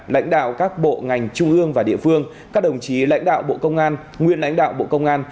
lãnh đạo các bộ ngành trung ương và địa phương các đồng chí lãnh đạo bộ công an nguyên lãnh đạo bộ công an